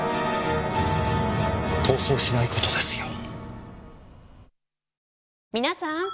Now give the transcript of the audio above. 逃走しない事ですよ。